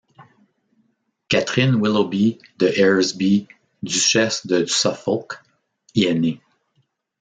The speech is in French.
Catherine Willoughby de Eresby, duchesse de Suffolk, y est née.